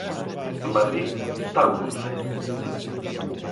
Madrid: Taurus.